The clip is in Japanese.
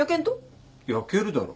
焼けるだろ。